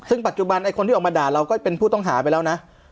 ซึ่งปัจจุบันไอ้คนที่ออกมาด่าเราก็เป็นผู้ต้องหาไปแล้วนะ